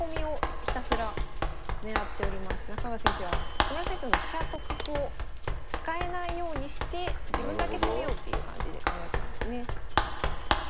木村先生の飛車と角を使えないようにして自分だけ攻めようっていう感じで考えてますね。